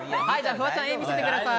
フワちゃん、絵を見せてください。